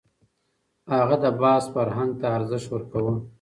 هغه د بحث فرهنګ ته ارزښت ورکاوه.